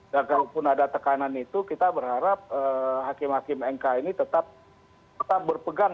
dan kalaupun ada tekanan itu kita berharap hakim hakim mk ini tetap berpegang